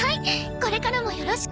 これからもよろしくね。